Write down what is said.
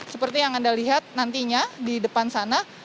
seperti yang anda lihat nantinya di depan sana